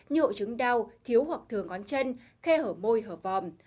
như hội chứng đau thiếu hoặc thừa ngón chân khe hở môi hở vòng